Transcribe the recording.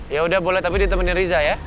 ya udah boleh tapi ditemenin riza ya